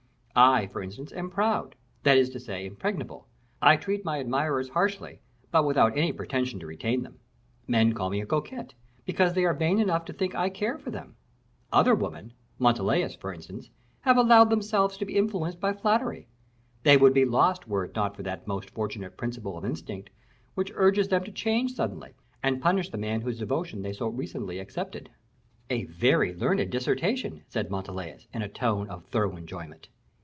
I, for instance, am proud; that is to say, impregnable. I treat my admirers harshly, but without any pretention to retain them. Men call me a coquette, because they are vain enough to think I care for them. Other women Montalais, for instance have allowed themselves to be influenced by flattery; they would be lost were it not for that most fortunate principle of instinct which urges them to change suddenly, and punish the man whose devotion they so recently accepted." "A very learned dissertation," said Montalais, in the tone of thorough enjoyment.